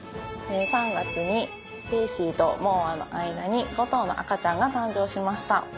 ３月にケーシーとモーアの間に５頭の赤ちゃんが誕生しました。